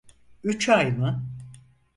Üç ay mı?